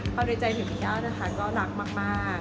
เพราะในใจถึงพี่ก้านะคะก็รักมาก